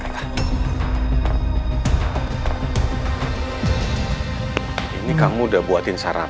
harusnya di pocis kalau tau apa buang dia